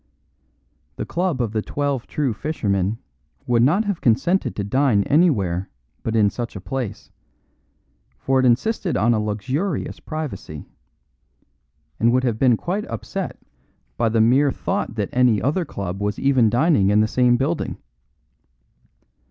The club of The Twelve True Fishermen would not have consented to dine anywhere but in such a place, for it insisted on a luxurious privacy; and would have been quite upset by the mere thought that any other club was even dining in the same building.